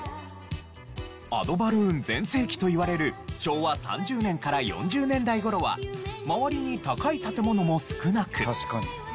アドバルーン全盛期といわれる昭和３０年から４０年代頃は周りに高い建物も少なく。